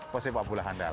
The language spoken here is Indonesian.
terus sepak bola handal